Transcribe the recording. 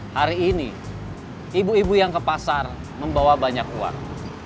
hari ini ibu ibu yang ke pasar membawa banyak uang